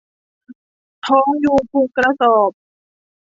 ท้องยุ้งพุงกระสอบ